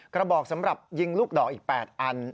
กระบอกสำหรับยิงลูกดอกอีก๘อัน